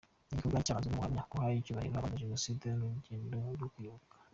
Ni igikorwa cyaranzwe n’ubuhamya, guha icyubahiro abazize Jenoside n’urugendo rwo kwibuka.